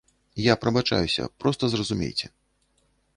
Я прабачаюся, проста зразумейце.